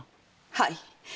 はい。